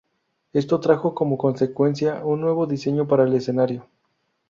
Esto trajo cómo consecuencia un nuevo diseño para el escenario.